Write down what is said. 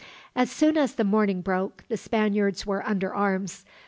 As soon as the morning broke, the Spaniards were under arms.